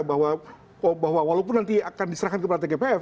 bahwa walaupun nanti akan diserahkan kepada tgpf